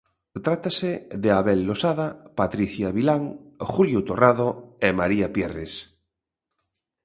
Trátase de Abel Losada, Patricia Vilán, Julio Torrado e María Pierres.